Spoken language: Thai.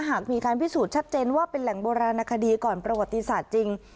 หากมีการพิสูจน์ชัดเจนว่าเป็นแหล่งโบราณคดีก่อนประวัติศาสตร์จริง